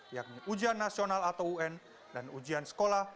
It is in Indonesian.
yakni ujian nasional atau un dan ujian sekolah